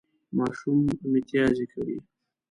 ماشوم متیازې کړې